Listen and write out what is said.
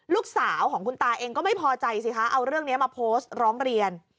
ลูกสาวของคุณตาเองก็ไม่พอใจสิคะเอาเรื่องนี้มาโพสต์ร้องเรียน